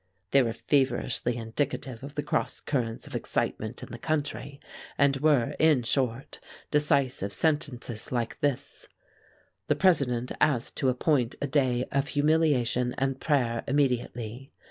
They were feverishly indicative of the cross currents of excitement in the country, and were in short, decisive sentences like this: "The President asked to appoint a day of humiliation and prayer immediately.